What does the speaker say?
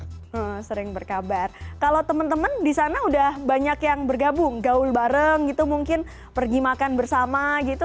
sering berkabar kalau temen temen di sana udah banyak yang bergabung gaul bareng gitu mungkin pergi makan bersama gitu